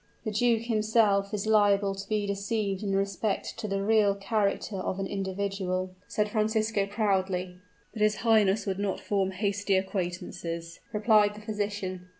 "The duke himself is liable to be deceived in respect to the real character of an individual," said Francisco proudly. "But his highness would not form hasty acquaintances," replied the physician.